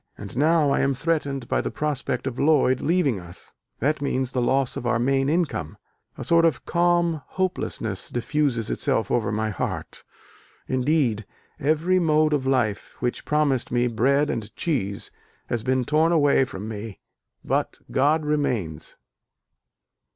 And now I am threatened by the prospect of Lloyd leaving us that means the loss of our main income. A sort of calm hopelessness diffuses itself over my heart. Indeed, every mode of life which promised me bread and cheese has been torn away from me: but God remains."